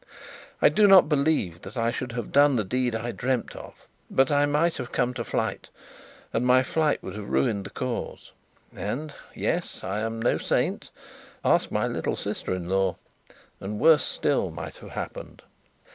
I do not believe that I should have done the deed I dreamt of; but I might have come to flight, and my flight would have ruined the cause. And yes, I am no saint (ask my little sister in law), and worse still might have happened.